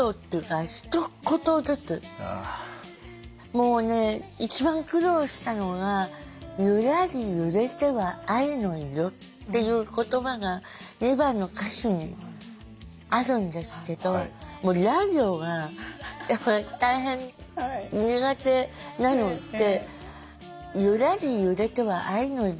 もうね一番苦労したのが「ゆらり揺れては愛の色」っていう言葉が２番の歌詞にあるんですけどもうら行がやっぱり大変苦手なので「ゆらり揺れては愛の色」。